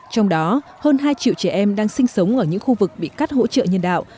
trong đó hơn hai triệu trẻ em đang sinh sống ở những khu vực bị cắt hỗ trợ nhân đạo